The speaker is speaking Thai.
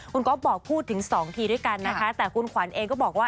คุณก๊อฟบอกพูดถึง๒ทีด้วยกันนะคะแต่คุณขวัญเองก็บอกว่า